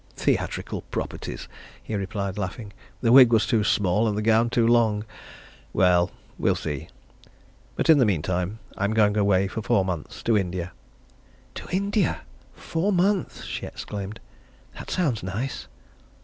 "Theatrical properties," he replied, laughing. "The wig was too small, and the gown too long. Well we'll see. But in the meantime, I'm going away for four months to India." "To India four months!" she exclaimed. "That sounds nice."